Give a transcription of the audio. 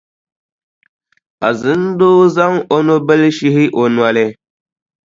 Azindoo zaŋ o nubila shihi o noli.